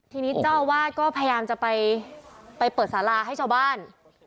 ทีนี้เจ้าอาวาสก็พยายามจะไปเปิดสาราให้ชาวบ้าน